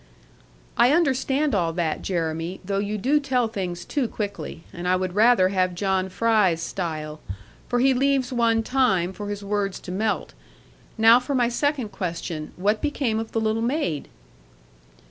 'I understand all that, Jeremy, though you do tell things too quickly, and I would rather have John Fry's style; for he leaves one time for his words to melt. Now for my second question. What became of the little maid?'